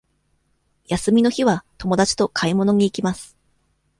休みの日は友達と買い物に行きます。